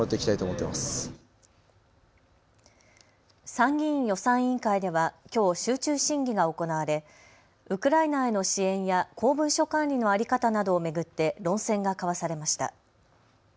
参議院予算委員会ではきょう集中審議が行われウクライナへの支援や公文書管理の在り方などを巡って論戦が交わされました。